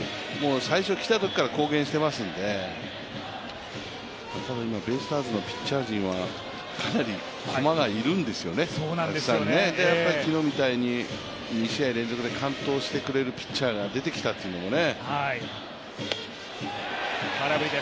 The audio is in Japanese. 最初来たときから公言していますので、ただ今、ベイスターズのピッチャー陣はかなり駒がいるんですよね、たくさんね、昨日みたいに２試合連続で完投してくれるピッチャーが出てきたというのもね。